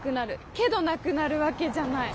けどなくなるわけじゃない。